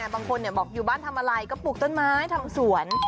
บางคนบอกอยู่บ้านทำอะไรก็ปลูกต้นไม้ทำสวน